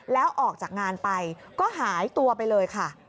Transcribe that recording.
แล้วออกจากงานไปก็หายตัวไปเลยค่ะ